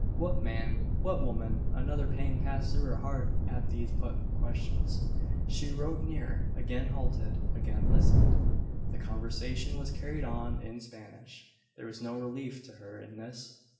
What man? What woman? Another pang passed through her heart at these put questions. She rode nearer; again halted; again listened. The conversation was carried on in Spanish. There was no relief to her in this.